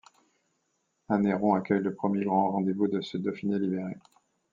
Anneyron accueille le premier grand rendez-vous de ce Dauphiné libéré.